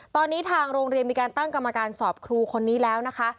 ตอนนี้ทางโรงเรียนมีการตั้งกรรมการสอบครูคนนี้แล้วนะคะ